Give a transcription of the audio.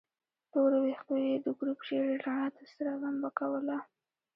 تورو ويښتو يې د ګروپ ژېړې رڼا ته سره لمبه کوله.